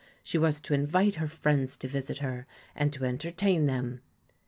She was to invite her friends to visit her, and to entertain them.